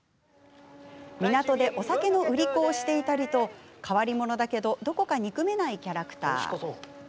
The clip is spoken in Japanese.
港でお酒の売り子をしていたりと変わり者だけどどこか憎めないキャラクター。